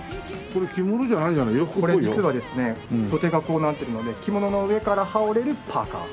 これ実はですね袖がこうなってるので着物の上から羽織れるパーカ。